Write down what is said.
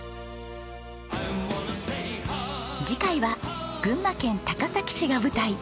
次回は群馬県高崎市が舞台。